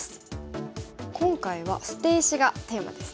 今回は捨て石がテーマですね。